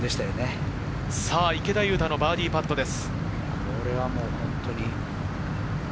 池田勇太のバーディーパットです。